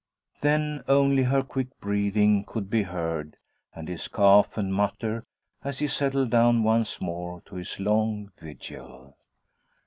Then only her quick breathing could be heard, and his cough and mutter, as he settled down once more to his long vigil.